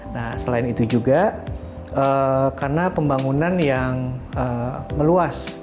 nah selain itu juga karena pembangunan yang meluas